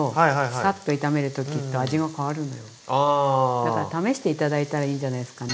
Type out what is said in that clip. だから試して頂いたらいいんじゃないですかね。